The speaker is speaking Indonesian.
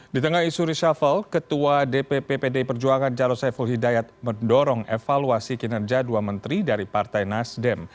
di tengah isu reshuffle ketua dpp pdi perjuangan jarod saiful hidayat mendorong evaluasi kinerja dua menteri dari partai nasdem